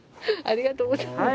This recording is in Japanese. ありがとうございます。